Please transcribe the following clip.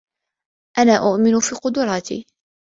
انا أؤمن في قدراتي.